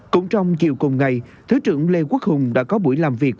cũng trong chiều cùng ngày thứ trưởng lê quốc hùng đã có buổi làm việc